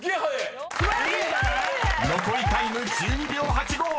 ［残りタイム１２秒８５！］